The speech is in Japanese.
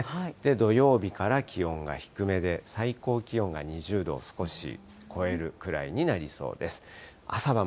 土曜日から気温が低めで、最高気温が２０度を少し超えるくらいになりそうです。